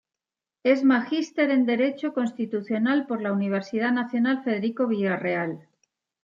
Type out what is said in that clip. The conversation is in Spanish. Es magíster en derecho Constitucional por la Universidad Nacional Federico Villarreal.